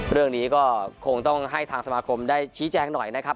เรื่องนี้ก็คงต้องให้ทางสมาคมได้ชี้แจงหน่อยนะครับ